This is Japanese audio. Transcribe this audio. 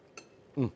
うん。